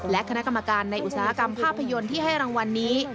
และคณะกรรมการในอุตสาหกรรมภาพยนตร์ที่ให้รางวัลนี้